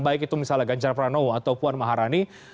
baik itu misalnya ganjar pranowo atau puan maharani